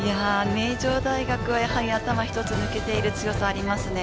名城大学は頭一つ抜けている強さがありますね。